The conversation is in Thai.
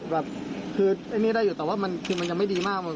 แบบคือไอ้นี่ได้อยู่แต่ว่ามันคือมันยังไม่ดีมาก